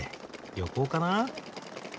旅行かな。